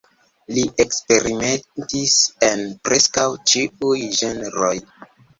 Li eksperimentis en preskaŭ ĉiuj ĝenroj.